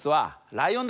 ライオン。